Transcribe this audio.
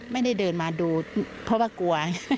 ไม่ได้เดินมาดูเพราะว่ากลัว